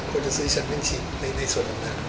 ควรจะซื้อฉันเป็นชิดในส่วนตรงนั้น